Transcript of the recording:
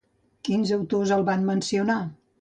Quins autors el van mencionar?